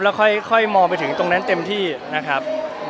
แล้วค่อยมองไปถึงตรงนั้นเต็มที่นะครับ